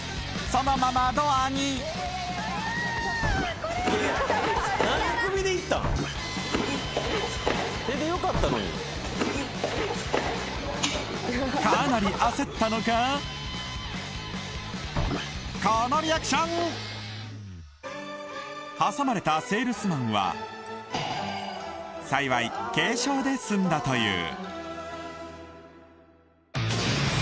そのままドアにかなり焦ったのかこのリアクション挟まれたセールスマンは幸い軽傷で済んだという